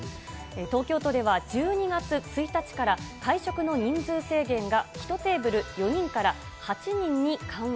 東京都では１２月１日から、会食の人数制限が１テーブル４人から８人に緩和。